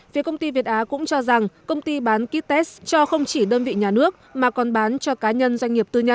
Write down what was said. phía công ty việt á cũng cho rằng công ty bán ký test cho không chỉ đơn vị nhà nước mà còn bán cho cá nhân doanh nghiệp tư nhân